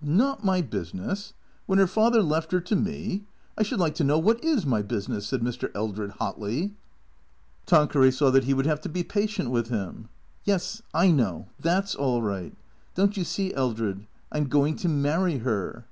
" Not my business ? Wlien 'er father left 'er to me ? I should like to know what is my business," said Mr. Eldred hotly. Tanqueray saw that he would have to be patient with him. " Yes, / know. That 's all right. Don't you see, Eldred, I 'm going to marry her."